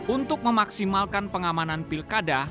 untuk memaksimalkan pengamanan pilkada